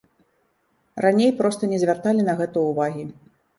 Раней проста не звярталі на гэта ўвагі.